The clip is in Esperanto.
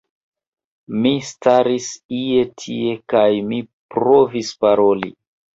Mi staris ie tie kaj mi provis paroli